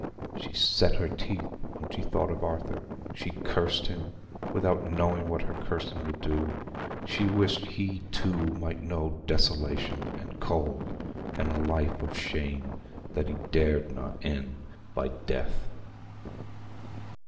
She set her teeth when she thought of Arthur. She cursed him, without knowing what her cursing would do. She wished he too might know desolation, and cold, and a life of shame that he dared not end by death.